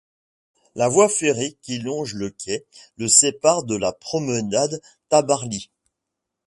La voie ferrée qui longe le quai le sépare de la promenade Tabarly.